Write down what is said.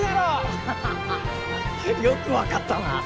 アハハ！よく分かったな。